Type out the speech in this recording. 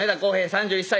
３１歳！